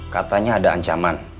katanya ada ancaman